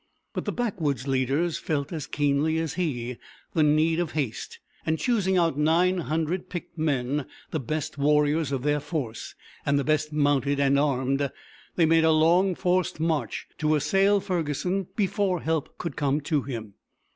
But the backwoods leaders felt as keenly as he the need of haste, and choosing out nine hundred picked men, the best warriors of their force, and the best mounted and armed, they made a long forced march to assail Ferguson before help could come to him.